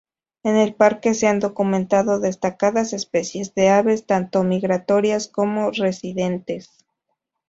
En el parque se han documentado destacadas especies de aves, tanto migratorias como residentes.